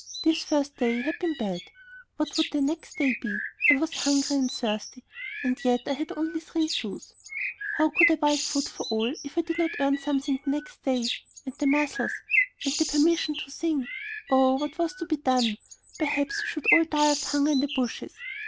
This first day had been bad; what would the next day be? I was hungry and thirsty, and yet I only had three sous. How could I buy food for all if I did not earn something the next day? And the muzzles? And the permission to sing? Oh, what was to be done! Perhaps we should all die of hunger in the bushes.